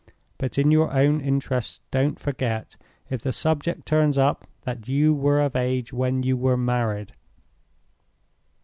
But, in your own interests, don't forget, if the subject turns up, that you were of age when you were married.